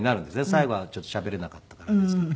最後はしゃべれなかったからあれですけど。